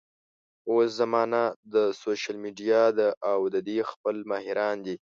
اوس زمانه د سوشل ميډيا ده او د دې خپل ماهران دي